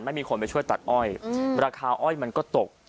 ไม่มีคนไปช่วยตัดอ้อยราคาอ้อยมันก็ตก